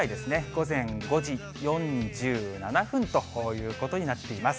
午前５時４７分ということになっています。